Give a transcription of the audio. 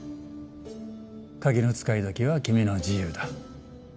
鍵の使い時は君の自由だ。